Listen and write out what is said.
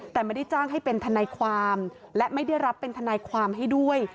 แต่ไม่ได้จ้างให้เป็นทนายความและไม่ได้รับเป็นทนายความให้ด้วย